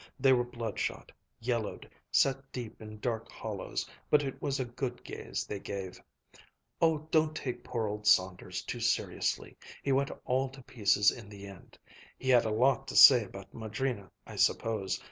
They were bloodshot, yellowed, set deep in dark hollows; but it was a good gaze they gave. "Oh, don't take poor old Saunders too seriously. He went all to pieces in the end. He had a lot to say about Madrina, I suppose.